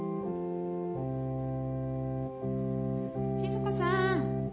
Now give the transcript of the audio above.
静子さん。